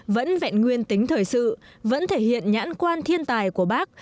vẫn vẹn nguyên tính thời sự vẫn thể hiện nhãn quan thiên tài của bác